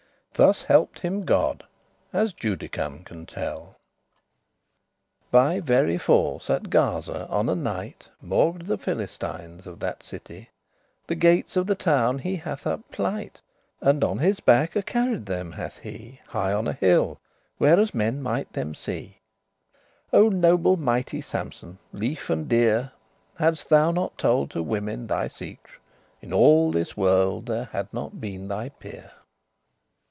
Thus help'd him God, as Judicum <5> can tell. By very force, at Gaza, on a night, Maugre* the Philistines of that city, *in spite of The gates of the town he hath up plight,* *plucked, wrenched And on his back y carried them hath he High on an hill, where as men might them see. O noble mighty Sampson, lefe* and dear, *loved Hadst thou not told to women thy secre, In all this world there had not been thy peer.